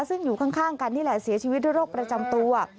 ซึ่งอยู่ข้างกันนี่แหละเสียชีวิตด้วยโรคประจำตัว